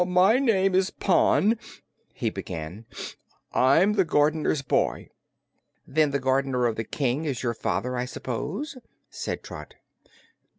"My name is Pon," he began. "I'm the gardener's boy." "Then the gardener of the King is your father, I suppose," said Trot.